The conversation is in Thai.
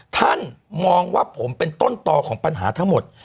ท่านมองว่าผมเป็นต้นต่อของปัญหาทั้งหมด